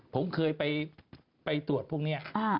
ผมเคยไปตรวจพวกนี้